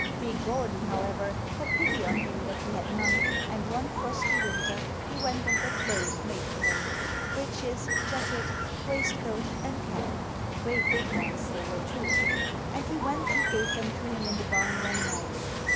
Big Gordon, however, had pity on him that he had none, and one frosty winter he went and got clothes made for him breeches, jacket, waistcoat and cap great big ones they were too. And he went and gave them to him in the barn one night.